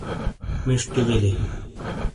مݜٹی بلی۔